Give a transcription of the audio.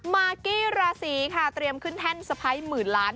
มากกี้ราศีค่ะเตรียมขึ้นแท่นสะพ้ายหมื่นล้าน